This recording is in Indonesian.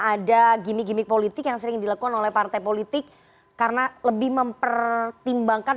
ada gimmick gimmick politik yang sering dilakukan oleh partai politik karena lebih mempertimbangkan